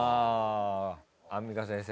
アンミカ先生